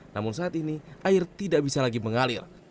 namun saat ini air tidak bisa lagi mengalir